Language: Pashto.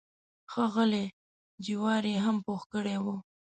ښه غلي جواري یې هم پوخ کړی و.